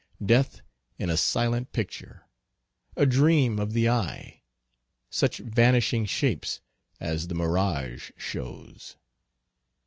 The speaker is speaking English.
Death in a silent picture; a dream of the eye; such vanishing shapes as the mirage shows.